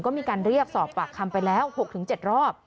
ก็มีการเรียกสอบปากคำไปแล้ว๖๗รอบ